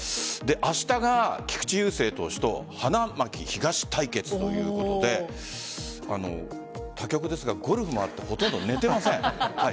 明日が菊池雄星投手と花巻東対決ということで他局ですが、ゴルフもあってほとんど寝ていません。